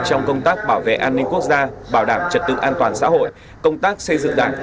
trong công tác bảo vệ an ninh quốc gia bảo đảm trật tự an toàn xã hội công tác xây dựng đảng